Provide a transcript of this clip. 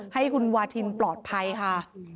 ให้คุณวาทินปลอดภัยค่ะ